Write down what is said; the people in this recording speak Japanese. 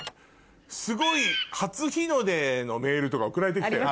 すごい初日の出のメールとか送られて来たよね。